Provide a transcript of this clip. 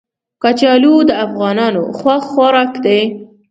کچالو د افغانانو خوښ خوراک دی